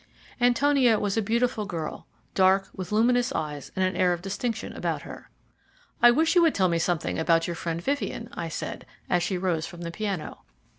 Antonia was a beautiful girl, dark, with luminous eyes and an air of distinction about her. "I wish you would tell me something about your friend Vivien," I said, as she rose from the piano.